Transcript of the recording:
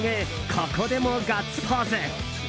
ここでもガッツポーズ。